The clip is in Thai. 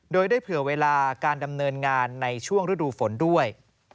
โดยได้เผื่อเวลาการดำเนินงานในช่วงฤดูฝนด้วย